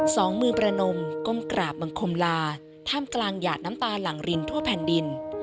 สองมือประนมก้มกราบบังคมลาท่ามกลางหยาดน้ำตาหลังรินทั่วแผ่นดิน